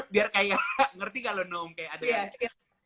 biar kayak ngerti gak lo noom kayak ada ada